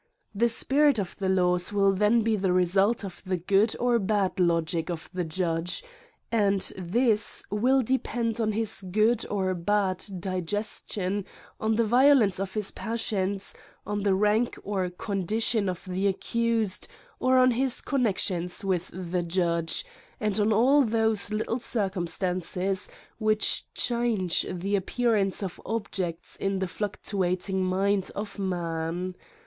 The spirit of the laws will then be the result of the good or bad logic of the judge ; and this will depend on his good or bad digestion, on the vio lence of his passions, on the rank or condition 24 ' AN ESSAY ON of the accused, or on his connections with the judge, and on all those little circumstances which change the appearance of objects in the fluctua ting mind of man.